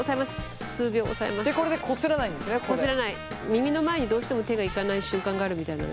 耳の前にどうしても手がいかない習慣があるみたいなので。